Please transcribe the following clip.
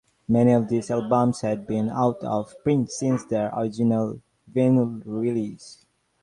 Many of these albums had been out of print since their original vinyl release.